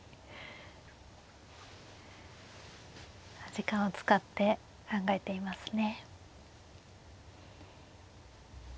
時間を使って考えていますね。